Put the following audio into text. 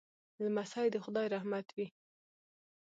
لمسی د خدای رحمت وي.